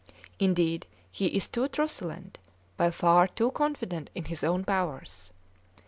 Indeed he is too truculent, by far too confident in his own powers.